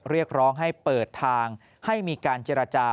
เรียกร้องให้เปิดทางให้มีการเจรจา